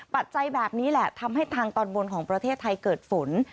ปัจจัยแบบนี้แหละทำให้ทางตอนบนของประเทศไทยเกิดฝน